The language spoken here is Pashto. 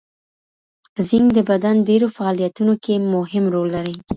زینک د بدن ډېرو فعالیتونو کې مهم رول لري.